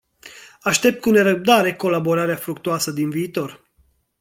Aștept cu nerăbdare colaborarea fructuoasă din viitor.